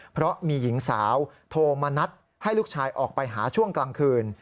เพราะมีหญิงสาวโทรมานัดให้ลูกชายออกไปหาช่วงกลางคืน